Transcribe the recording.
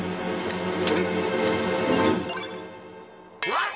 わっ！